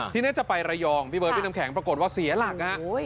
ทีนี้จะไประยองพี่เบิร์พี่น้ำแข็งปรากฏว่าเสียหลักฮะ